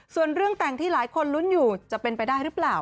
ส่วนเรื่องแต่งที่หลายคนลุ้นอยู่จะเป็นไปได้หรือเปล่า